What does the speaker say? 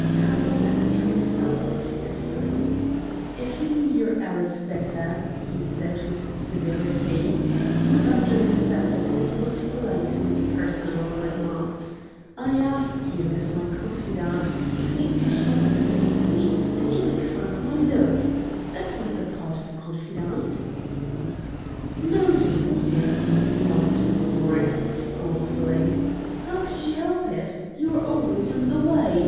Carlton drew himself up stiffly. "If you knew your ALICE better," he said, with severity, "you would understand that it is not polite to make personal remarks. I ask you, as my confidante, if you think she has noticed me, and you make fun of my looks! That's not the part of a confidante." "Noticed you!" laughed Miss Morris, scornfully. "How could she help it? You are always in the way.